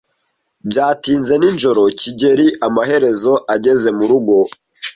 Byatinze nijoro kigeli amaherezo ageze murugo.